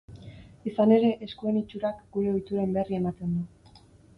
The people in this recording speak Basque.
Izan ere, eskuen itxurak gure ohituren berri ematen du.